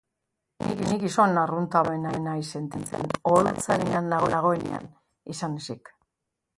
Ni gizon arrunta baino ez naiz sentitzen, oholtzaren gainean nagoenean izan ezik.